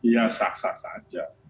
ya sah sah saja